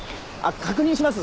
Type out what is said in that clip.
確認します